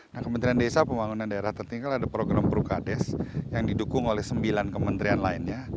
nah kementerian desa pembangunan daerah tertinggal ada program prukades yang didukung oleh sembilan kementerian lainnya